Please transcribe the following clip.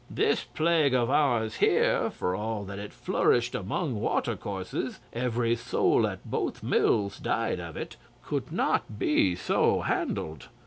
This plague of ours here, for all that it flourished along watercourses every soul at both Mills died of it, could not be so handled.